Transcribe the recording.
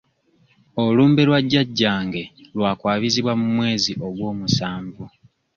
Olumbe lwa jjajjange lwa kwabizibwa mu mwezi ogw'omusanvu.